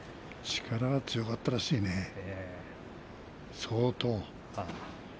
力は強かったらしいね相当に。